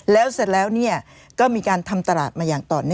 แล้วเสร็จแล้วก็มีการทำตลาดมาอย่างต่อเนื่อง